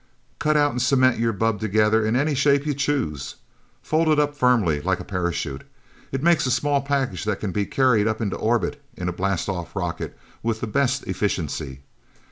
"Cut out and cement your bubb together in any shape you choose. Fold it up firmly, like a parachute it makes a small package that can be carried up into orbit in a blastoff rocket with the best efficiency.